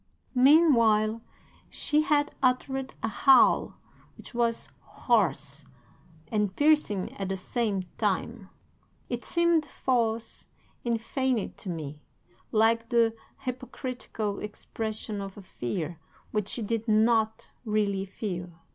"'Meanwhile she had uttered a howl which was hoarse and piercing at the same time. It seemed false and feigned to me, like the hypocritical expression of a fear which she did not really feel.